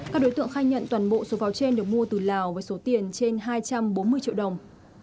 các đối tượng khai nhận toàn bộ số pháo trên được mua từ lào với số tiền trên hai trăm bốn mươi triệu đồng